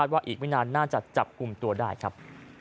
ว่าอีกไม่นานน่าจะจับกลุ่มตัวได้ครับ